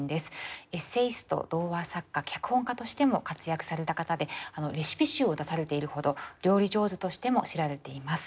エッセイスト童話作家脚本家としても活躍された方でレシピ集を出されているほど料理上手としても知られています。